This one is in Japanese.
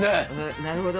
なるほど。